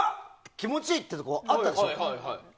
気持ちいい！っていうところあったでしょう。